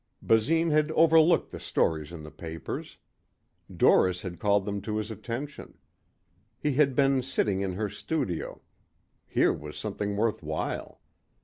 Basine had overlooked the stories in the papers. Doris had called them to his attention. He had been sitting in her studio.... Here was something worth while.